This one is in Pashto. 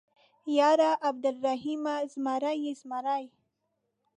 _ياره عبرالرحيمه ، زمری يې زمری.